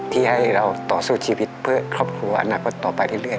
ที่ให้เราต่อสู้ชีวิตเพื่อครอบครัวอนาคตต่อไปเรื่อย